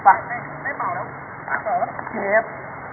ขอบคุณที่ทำดีดีกับแม่ของฉันหน่อยครับ